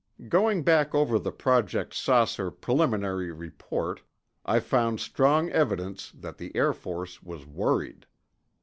Going back over the Project "Saucer" preliminary report, I found strong evidence that the Air Force was worried.